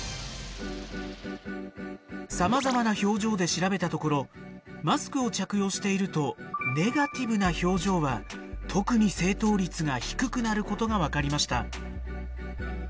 さまざまな表情で調べたところマスクを着用しているとネガティブな表情は特に正答率が低くなることが分かりました。